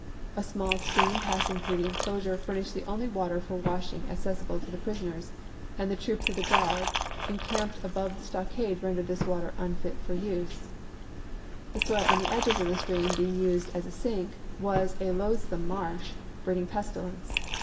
"1 A small stream passing through the inclosure furnished the only water for washing ac cessible to the prisoners, and the troops of the guard encamped above the stockade rendered this water unfit for use. The soil on the edges of the stream being used as a sink was a loathsome marsh, breeding pestilence.